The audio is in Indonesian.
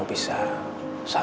terima kasih pak